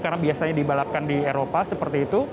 karena biasanya dibalapkan di eropa seperti itu